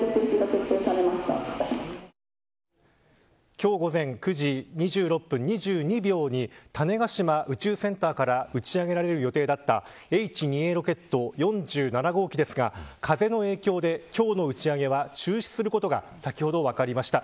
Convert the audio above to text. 今日午前９時２６分２２秒に種子島宇宙センターから打ち上げられる予定だったＨ２Ａロケット４７号機ですが風の影響で今日の打ち上げは中止することが先ほど分かりました。